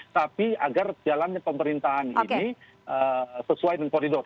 tapi agar jalannya pemerintahan ini sesuai dengan koridor